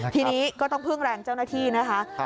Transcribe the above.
ทีนี้ก็ต้องพึ่งแรงเจ้าหน้าที่นะคะ